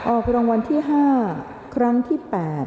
ออกรางวัลที่๕ครั้งที่๘